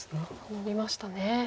ノビました。